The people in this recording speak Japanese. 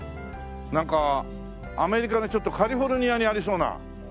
なんかアメリカのちょっとカリフォルニアにありそうな。